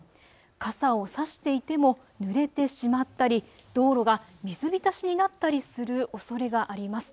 傘を差していてもぬれてしまったり、道路が水浸しになったりするおそれがあります。